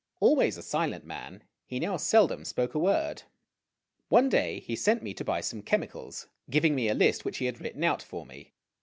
Always a silent man, he now seldom spoke a word. One clay he sent me to buy some chemicals, giving me a list which he had written out for me.